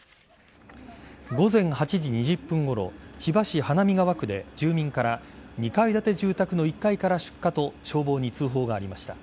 午前８時２０分ごろ千葉市花見川区で住民から２階建て住宅の１階から出火と消防に通報がありました。